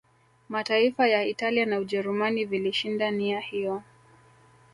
Mataifa ya Italia na Ujerumani vilishinda nia hiyo